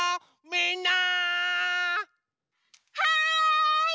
はい！